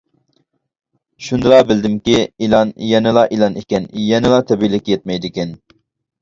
شۇندىلا بىلدىمكى، ئېلان يەنىلا ئېلان ئىكەن، يەنىلا تەبىئىيلىككە يەتمەيدىكەن.